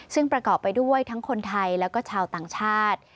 ซึ่งประกอบไปด้วยทั้งคนไทยแล้วก็ชาวต่างชาติ